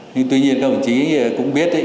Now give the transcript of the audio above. nhưng tuy nhiên các bản chí cũng biết ý